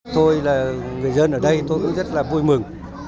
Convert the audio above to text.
tôi là người dân ở đây tôi cũng rất là vui mừng